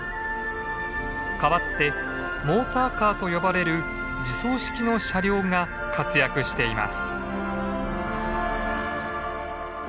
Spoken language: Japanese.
代わってモーターカーと呼ばれる自走式の車両が活躍しています。